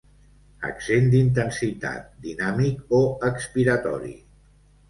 Accent d'intensitat, dinàmic o expiratori.